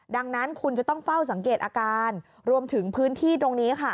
ดังนั้นคุณจะต้องเฝ้าสังเกตอาการรวมถึงพื้นที่ตรงนี้ค่ะ